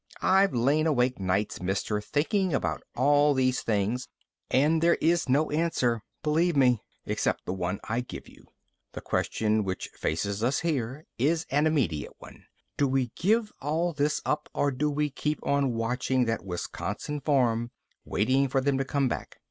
I've lain awake nights, mister, thinking about all these things and there is no answer, believe me, except the one I give you. The question which faces us here is an immediate one. Do we give all this up or do we keep on watching that Wisconsin farm, waiting for them to come back?